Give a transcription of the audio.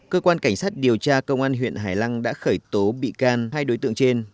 cơ quan cảnh sát điều tra công an huyện hải lăng đã khởi tố bị can hai đối tượng trên